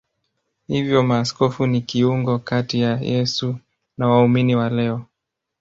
Hivyo maaskofu ni kiungo kati ya Yesu na waumini wa leo.